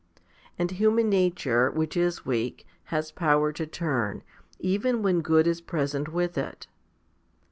And human nature, which is weak, has power to turn, even when good is present with it.